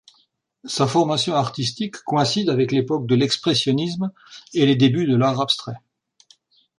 Sa formation artistique coïncide avec l'époque de l'expressionnisme et les débuts de l'art abstrait.